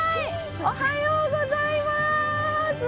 おはようございます。